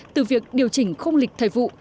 từ việc điều chỉnh không lịch thời vụ